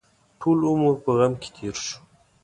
ټول عمر په غم کې تېر شو.